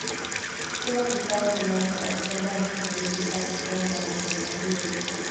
Kila kikao kilianza Oktoba na kumalizika Desemba ya miaka hiyo.